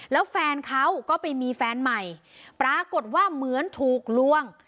แล้วแฟนเขาก็ไปมีแฟนใหม่ปรากฏว่าเหมือนถูกล่วง